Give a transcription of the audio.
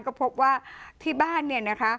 ก็พบว่าที่บ้านเนี่ยนะคะ